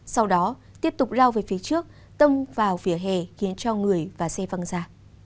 sau đó tiếp tục rao về phía trước tông vào phía hè khiến cho người và xe văng ra